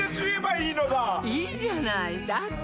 いいじゃないだって